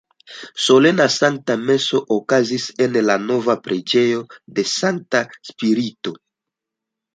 Solena Sankta Meso okazis en la nova preĝejo de Sankta Spirito.